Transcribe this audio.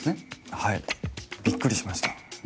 はいびっくりしました。